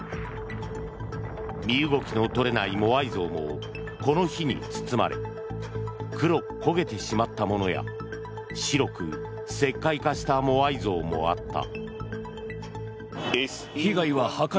身動きの取れないモアイ像もこの火に包まれ黒く焦げてしまったものや白く石灰化したモアイ像もあった。